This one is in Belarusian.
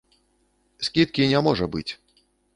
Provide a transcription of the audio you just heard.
Скідкі не можа быць.